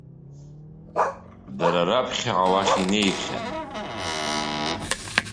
Дара раԥхьаҟа уахь инеихьан.